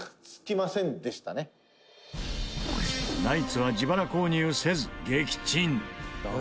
ナイツは自腹購入せず撃沈。